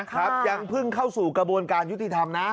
ครับยังเพิ่งเข้าสู่กระบวนการยุติธรรมนะ